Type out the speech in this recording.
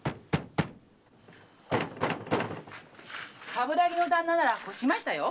鏑木の旦那なら越しましたよ。